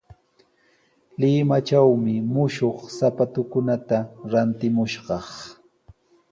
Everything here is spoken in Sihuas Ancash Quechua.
Limatrawmi mushuq sapatukunata rantimushqaa.